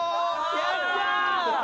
やった！